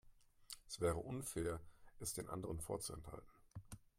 Es wäre unfair, es den anderen vorzuenthalten.